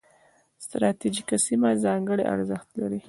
ستراتیژیکه سیمه ځانګړي ارزښت لري.